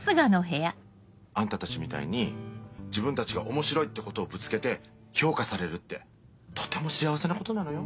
あんたたちみたいに自分たちが面白い！ってことをぶつけて評価されるってとても幸せなことなのよ。